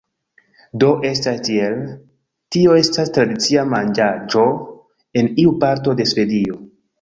Do, estas tiel, tio estas tradicia manĝaĵo en iu parto de Svedio